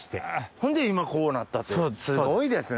ほんで今こうなったというすごいですね！